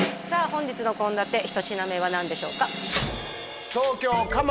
本日の献立一品目は何でしょうか？